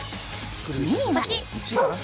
２位は。